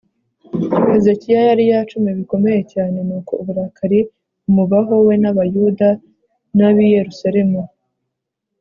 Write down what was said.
hezekiya yari yacumuye bikomeye cyane; nuko uburakari bumubaho we n'abayuda n'ab'i yerusalemu